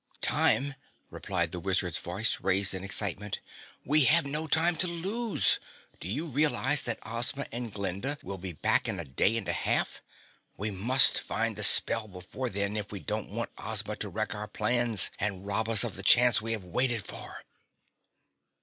"Time!" replied the Wizard's voice, raised in excitement. "We have no time to lose! Do you realize that Ozma and Glinda will be back in a day and a half? We must find the spell before then if we don't want Ozma to wreck our plans and rob us of the chance we have waited for!"